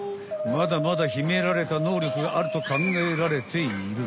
まだまだひめられたのうりょくがあるとかんがえられている。